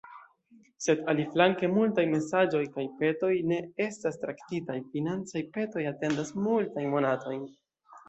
Sed aliflanke multaj mesaĝoj kaj petoj ne estas traktitaj, financaj petoj atendas multajn monatojn.